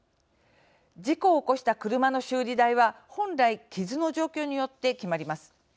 事故を起こした車の修理代は本来、傷の状況によって決まります。